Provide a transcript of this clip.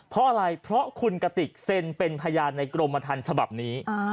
เพราะอะไรเพราะคุณกติกเซ็นเป็นพยานในกรมธรรมฉบับนี้